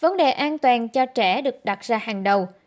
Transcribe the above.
vấn đề an toàn cho trẻ được đặt ra hàng đầu